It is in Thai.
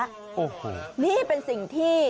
โอ้โหนี่เป็นสิ่งที่